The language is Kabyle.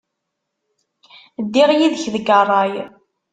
Ddiɣ yid-k deg ṛṛay.